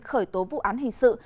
khởi tố vụ án hình sự